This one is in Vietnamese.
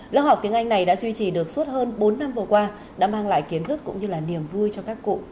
lớp học tiếng anh này đã duy trì được suốt hơn bốn năm vừa qua đã mang lại kiến thức cũng như là niềm vọng